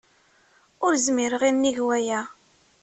Ur zmireɣ i nnig waya.